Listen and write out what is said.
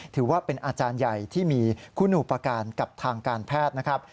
ถือว่าเป็นอาจารย์ใหญ่ที่มีคุณอุปการณ์กับทางการแพทย์นะครับ